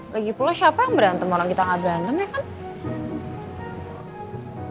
lagi pula siapa yang berantem orang kita gak berantem ya kan